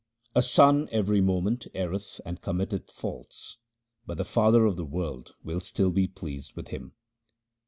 A son every moment erreth and committeth faults, but the Father of the world will still be pleased with him.